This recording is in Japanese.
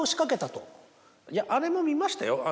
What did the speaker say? いやあれも見ましたよ